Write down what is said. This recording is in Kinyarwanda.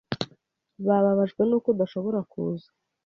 Bababajwe nuko udashobora kuza.